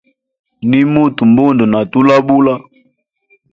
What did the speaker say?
Nimuta mbundu na tulabula.